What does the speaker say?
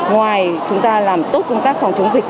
ngoài chúng ta làm tốt công tác phòng chống dịch